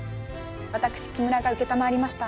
私木村が承りました。